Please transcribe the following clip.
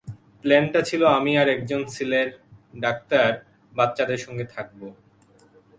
প্ল্যানটা ছিল আমি আর একজন সিলের ডাক্তার বাচ্চাদের সঙ্গে থাকবো।